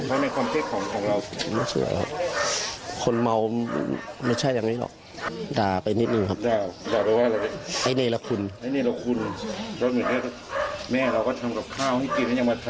ไอ้เนรคุณโทษหมายถึงแม่เราก็ทำกับข้าวที่กินแล้วยังมาทำแบบนี้